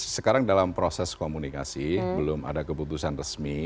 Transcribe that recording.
sekarang dalam proses komunikasi belum ada keputusan resmi